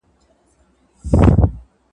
ته بايد خپل وخت ضايع نه کړې.